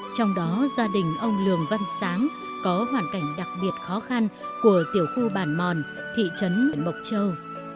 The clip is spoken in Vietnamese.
trong đó gia đình ông lường văn sáng có hoàn cảnh đặc biệt khó khăn của tiểu khu bản mòn thị trấn huyện mộc châu